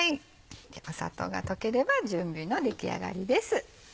砂糖が溶ければ準備の出来上がりです。